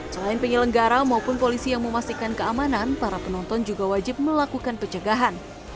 selain penyelenggara maupun polisi yang memastikan keamanan para penonton juga wajib melakukan pencegahan